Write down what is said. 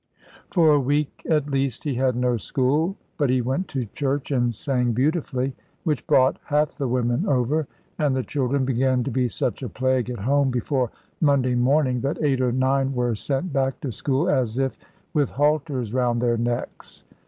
For a week at least he had no school, but he went to church and sang beautifully (which brought half the women over), and the children began to be such a plague, at home, before Monday morning, that eight or nine were sent back to school, as if with halters round their necks.